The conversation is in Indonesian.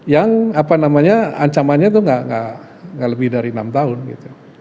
yang apa namanya ancamannya itu nggak lebih dari enam tahun gitu